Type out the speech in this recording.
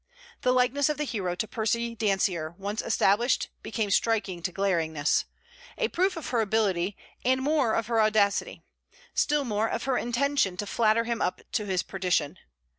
The likeness of the hero to Percy Dacier once established became striking to glaringness a proof of her ability, and more of her audacity; still more of her intention to flatter him up to his perdition.